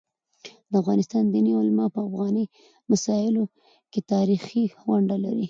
د افغانستان دیني علماء په افغاني مسايلو کيتاریخي ونډه لري.